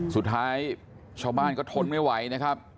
สุดท้ายชาวบ้านก็ทนไม่ไหวนะครับ